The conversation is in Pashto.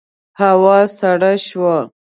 هوا سړه شوه.